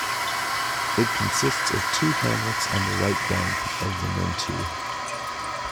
It consists of two hamlets on the right bank of the Mentue.